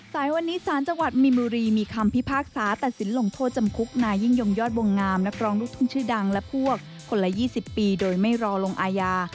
สายวันนี้สารจังหวัดมินบุรีมีคำพิพากษาตัดสินลงโทษจำคุกนายยิ่งยงยอดวงงามนักร้องลูกทุ่งชื่อดังและพวกคนละ๒๐ปีโดยไม่รอลงอาญา